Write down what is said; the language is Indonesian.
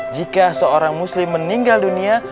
jika seorang muslim meninggal dunia